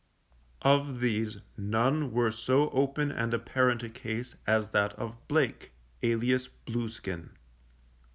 Of these none were so open and apparent a case as that of Blake, alias Blueskin.